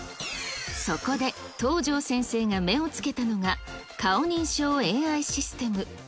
そこで、東條先生が目をつけたのが、顔認証ＡＩシステム。